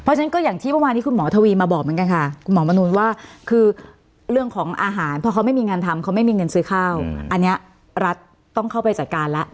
เพราะฉะนั้นก็อย่างที่เมื่อวานนี้คุณหมอทวีมาบอกเหมือนกันค่ะคุณหมอมนูนว่าคือเรื่องของอาหารเพราะเขาไม่มีงานทำเขาไม่มีเงินซื้อข้าวอันนี้รัฐต้องเข้าไปจัดการแล้ว